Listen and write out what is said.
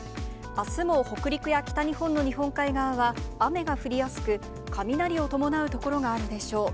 あすも北陸や北日本の日本海側は雨が降りやすく、雷を伴う所があるでしょう。